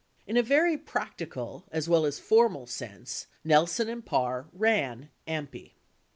5 In a very practical, as Avell as formal, sense, Nelson and Parr "ran" AMPI.